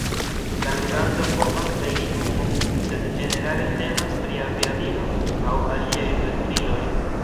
La ludanto povas regi homon sed ĝenerale temas pri aviadilo aŭ aliaj veturiloj.